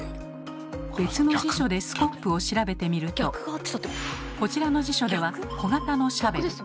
別の辞書で「スコップ」を調べてみるとこちらの辞書では「小型のシャベル」。